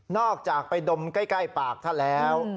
อกจากไปดมใกล้ปากท่านแล้ว